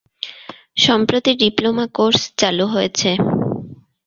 সম্পত্তি diploma course চালু হয়েছে।